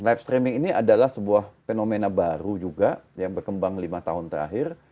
live streaming ini adalah sebuah fenomena baru juga yang berkembang lima tahun terakhir